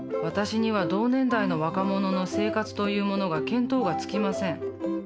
私には同年代の若者の生活というものが見当がつきません。